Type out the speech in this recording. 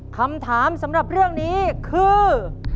คำถามสำหรับเรื่องนี้คือ